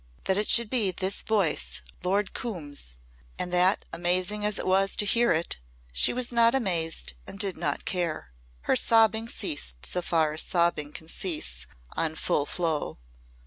That it should be this voice Lord Coombe's! And that amazing as it was to hear it, she was not amazed and did not care! Her sobbing ceased so far as sobbing can cease on full flow.